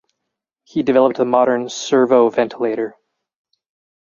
He developed the modern servo ventilator.